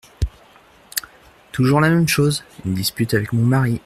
Toujours la même chose : une dispute avec mon mari.